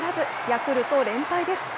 ヤクルト、連敗です。